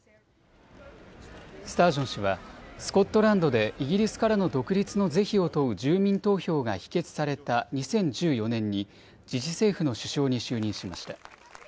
スタージョン氏はスコットランドでイギリスからの独立の是非を問う住民投票が否決された２０１４年に自治政府の首相に就任しました。